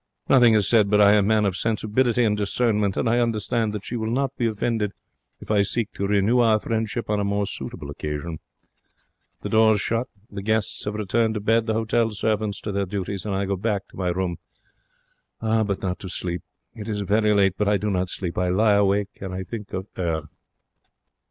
Nothing is said, but I am a man of sensibility and discernment, and I understand that she will not be offended if I seek to renew our friendship on a more suitable occasion. The doors shut. The guests have returned to bed, the hotel servants to their duties. And I go back to my room. But not to sleep. It is very late, but I do not sleep. I lie awake and think of 'er.